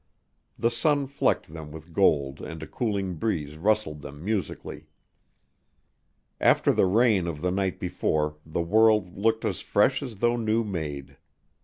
The sun flecked them with gold and a cooling breeze rustled them musically. After the rain of the night before the world looked as fresh as though new made.